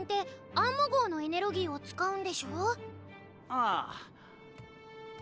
ああ。